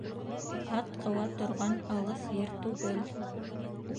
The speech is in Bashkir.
Ат ҡыуа торған алыҫ ер түгел.